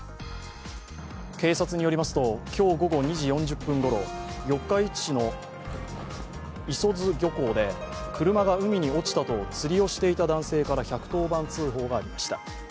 警察によりますと今日午後２時４０分ごろ四日市市の磯津漁港で車が海に落ちたと釣りをしていた男性から１１０番通報がありました。